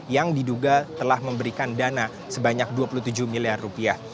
yang diduga telah memberikan dana sebanyak dua puluh tujuh miliar rupiah